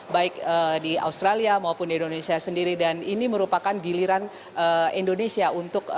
baik di australia maupun di indonesia sendiri dan ini merupakan giliran indonesia untuk